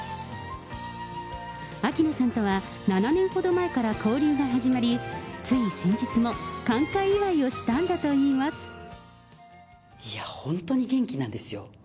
秋野さんとは、７年ほど前から交流が始まり、つい先日も、いや、本当に元気なんですよ。